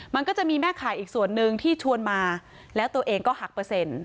มันก็จะมีแม่ข่ายอีกส่วนหนึ่งที่ชวนมาแล้วตัวเองก็หักเปอร์เซ็นต์